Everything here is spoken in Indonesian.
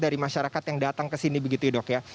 dari masyarakat yang datang ke sini begitu ya dok ya